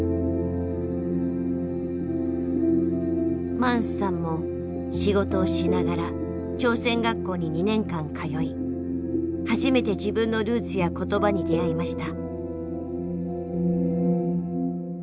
マンスさんも仕事をしながら朝鮮学校に２年間通い初めて自分のルーツや言葉に出会いました。